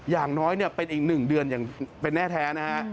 อย่างน้อยเป็นอีก๑เดือนอย่างเป็นแน่แท้นะฮะ